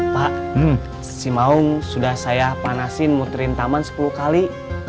pak simaung sudah saya panasin muterin taman sepuluh kali